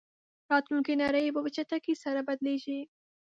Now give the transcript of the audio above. راتلونکې نړۍ به په چټکۍ سره بدلېږي.